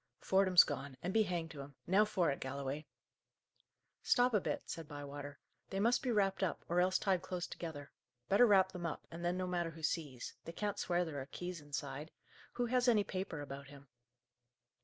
"Fordham's gone, and be hanged to him! Now for it, Galloway!" "Stop a bit," said Bywater. "They must be wrapped up, or else tied close together. Better wrap them up, and then no matter who sees. They can't swear there are keys inside. Who has any paper about him?"